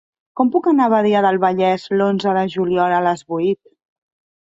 Com puc anar a Badia del Vallès l'onze de juliol a les vuit?